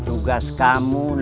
ini udah vraag sama dan ya